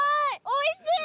おいしい！